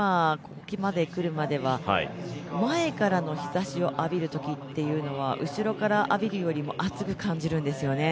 特に今、前からの日ざしを浴びるときっていうのは後ろから浴びるよりも暑く感じるんですよね。